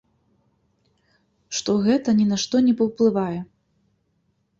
Што гэта ні на што не паўплывае.